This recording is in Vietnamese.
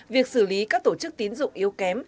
việc xử lý các tổ chức tín dụng yếu kém